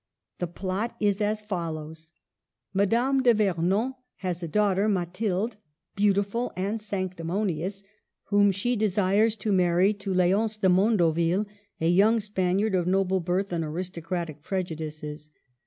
The plot is as follows : Madame de Vernon has a daughter, Mathilde, beautiful and sanctimonious, whom she desires to marry to L6once de Mondoville, a young Spaniard of noble birth and aristocratic preju dices.